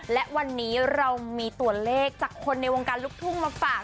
และวันนี้เรามีตัวเลขจากคนในวงการลูกทุ่งมาฝาก